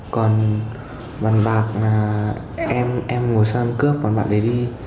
còn bạn bạc là em ngồi xe cướp bạn đấy đi